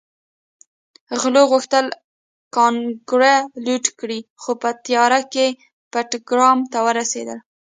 غلو غوښتل کانګړه لوټ کړي خو په تیاره کې بټګرام ته ورسېدل